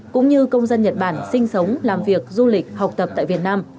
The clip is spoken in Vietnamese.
cũng như công dân nhật bản sinh sống làm việc du lịch học tập tại việt nam